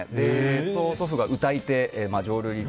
曽祖父が歌い手、浄瑠璃。